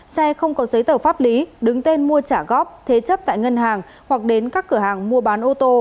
xe không có giấy tờ pháp lý đứng tên mua trả góp thế chấp tại ngân hàng hoặc đến các cửa hàng mua bán ô tô